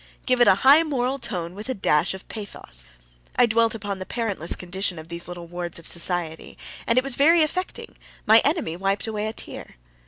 "Give it a high moral tone, with a dash of pathos." I dwelt upon the parentless condition of these little wards of Society. And it was very affecting my enemy wiped away a tear!